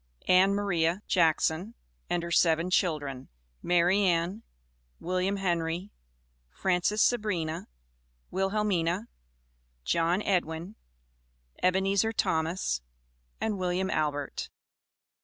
ANN MARIA JACKSON AND HER SEVEN CHILDREN MARY ANN, WILLIAM HENRY, FRANCES SABRINA, WILHELMINA, JOHN EDWIN, EBENEZER THOMAS, AND WILLIAM ALBERT.